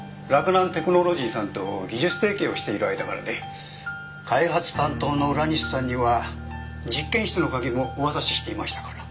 洛南テクノロジーさんと技術提携をしている間柄で開発担当の浦西さんには実験室の鍵もお渡ししていましたから。